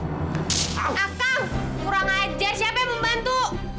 akan kurang ajar siapa membantu